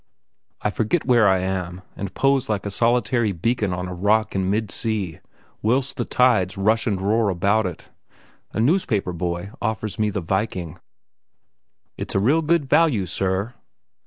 I forget where I am, and pose like a solitary beacon on a rock in mid sea, whilst the tides rush and roar about it. A newspaper boy offers me The Viking. "It's real good value, sir!"